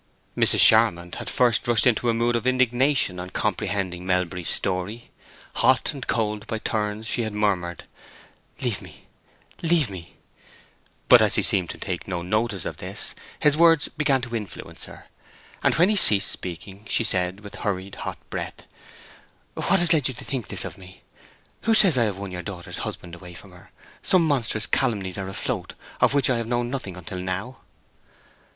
Mrs. Charmond had first rushed into a mood of indignation on comprehending Melbury's story; hot and cold by turns, she had murmured, "Leave me, leave me!" But as he seemed to take no notice of this, his words began to influence her, and when he ceased speaking she said, with hurried, hot breath, "What has led you to think this of me? Who says I have won your daughter's husband away from her? Some monstrous calumnies are afloat—of which I have known nothing until now!"